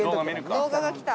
動画が来た。